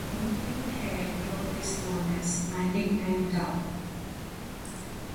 The resulting hair growth is known as malignant down.